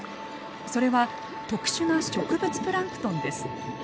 それは特殊な植物プランクトンです。